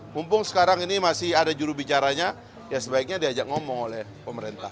mumpung sekarang ini masih ada jurubicaranya ya sebaiknya diajak ngomong oleh pemerintah